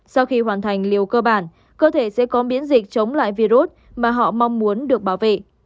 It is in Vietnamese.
sau khi hoàn thành liều cơ bản cơ thể sẽ có miễn dịch chống lại virus mà họ mong muốn được bảo vệ